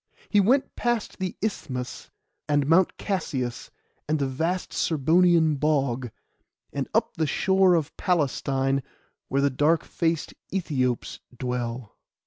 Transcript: He went past the Isthmus, and Mount Casius, and the vast Serbonian bog, and up the shore of Palestine, where the dark faced Æthiops dwelt.